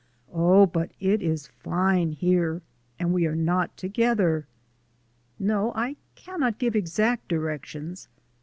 Oh, but it is fine here and we are not together!".... "No; I cannot give exact directions.